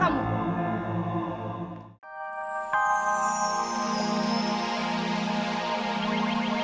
sampai jumpa di video selanjutnya